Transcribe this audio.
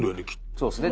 そうですね。